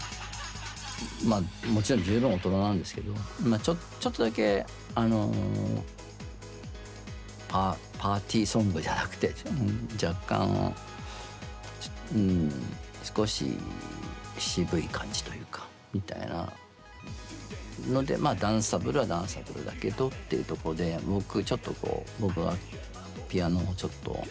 まあもちろん十分大人なんですけどちょっとだけあのパーティーソングじゃなくて若干少し渋い感じというかみたいなのでダンサブルはダンサブルだけどっていうとこで僕ちょっと僕がピアノをちょっと。